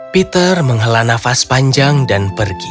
peter menghela nafas panjang dan pergi